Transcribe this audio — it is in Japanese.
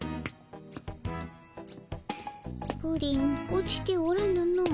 プリン落ちておらぬの。